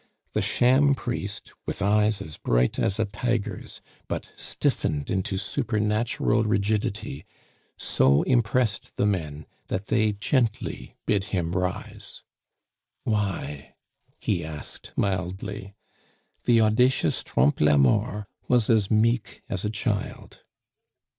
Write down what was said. The sham priest, with eyes as bright as a tiger's, but stiffened into supernatural rigidity, so impressed the men that they gently bid him rise. "Why?" he asked mildly. The audacious Trompe la Mort was as meek as a child.